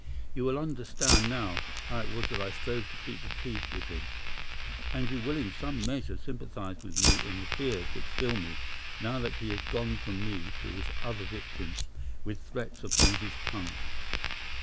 You will understand now how it was that I strove to keep the peace with him, and you will in some measure sympathise with me in the fears which fill me, now that he has gone from me to his other victim with threats upon his tongue.